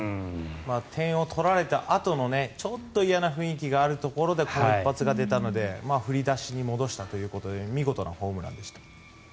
点を取られたあとのちょっと嫌な雰囲気があるところでこの一発が出たので振り出しに戻したというところで見事なホームランでした。